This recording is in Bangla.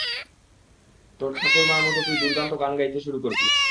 তোর ঠাকুরমার মতো তুই দুর্দান্ত গান গাইতে শুরু করবি।